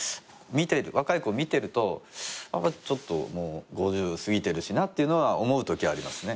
若い子見てるとちょっと５０過ぎてるしなっていうのは思うときありますね。